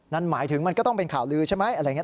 นั่นหมายถึงมันก็ต้องเป็นข่าวลือใช่ไหมอะไรอย่างนี้